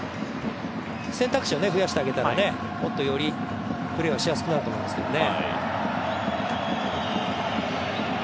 選択肢を増やしてあげたらもっとよりプレーがしやすくなると思うんですけどね。